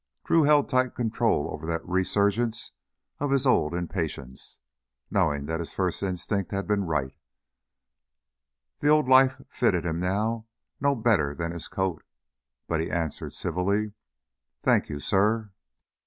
Drew held tight control over that resurgence of his old impatience, knowing that his first instinct had been right: the old life fitted him now no better than his coat. But he answered civilly: "Thank you, suh."